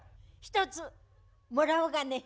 １つもらおうかね。